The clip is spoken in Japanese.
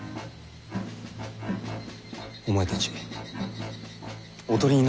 お前たちおとりになる気か？